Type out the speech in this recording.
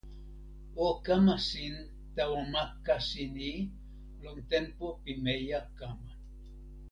o kama sin tawa ma kasi ni lon tenpo pimeja kama.